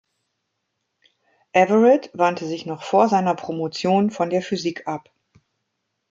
Everett wandte sich noch vor seiner Promotion von der Physik ab.